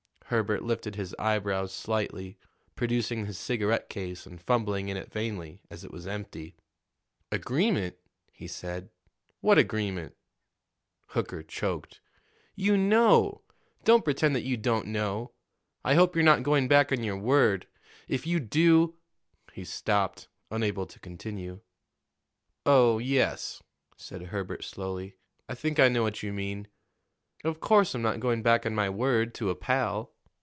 Herbert lifted his eyebrows slightly, producing his cigarette case and fumbling in it vainly, as it was empty. "Agreement?" he said. "What agreement?" Hooker choked. "You know; don't pretend that you don't know. I hope you're not going back on your word. If you do " He stopped, unable to continue. "Oh, yes," said Herbert slowly, "I think I know what you mean. Of course I'm not going back on my word to a pal."